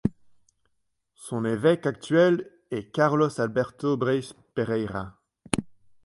Son évêque actuel est Carlos Alberto Breis Pereira.